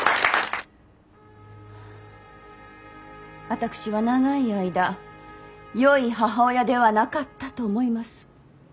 私は長い間よい母親ではなかったと思います。